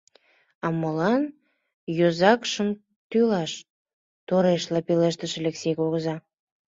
— А молан йозакшым тӱлаш? — торешла пелештыш Элексей кугыза.